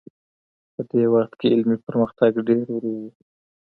په دې وخت کي علمي پرمختګ ډېر ورو و.